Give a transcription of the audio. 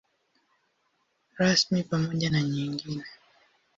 Rasmi pamoja na nyingine.